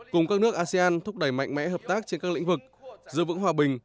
cùng các nước asean thúc đẩy mạnh mẽ hợp tác trên các lĩnh vực giữ vững hòa bình